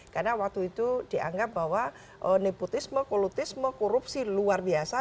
karena waktu itu dianggap bahwa nepotisme kolotisme korupsi luar biasa